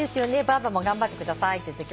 ばあばも頑張ってください」って。